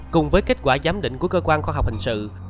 cùng với kết quả giám định của cơ quan khoa học hình sự